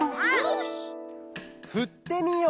「ふってみよう」。